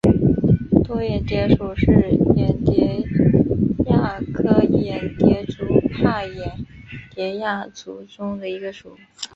多眼蝶属是眼蝶亚科眼蝶族帕眼蝶亚族中的一个属。